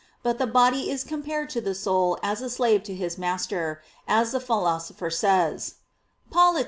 But the body is compared to the soul as a slave to his master, as the Philosopher says (Polit.